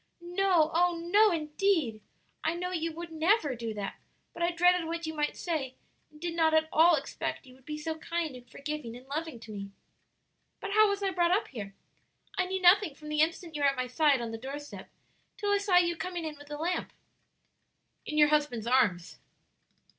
"No, oh, no, indeed! I know you would never do that, but I dreaded what you might say, and did not at all expect you would be so kind and forgiving and loving to me. "But how was I brought up here? I knew nothing from the instant you were at my side on the door step till I saw you coming in with the lamp." "In your husband's arms."